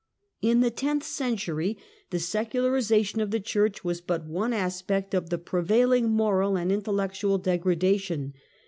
In the tenth century the secularization of the Church was but one aspect of the prevailing moral and intellectual degradation.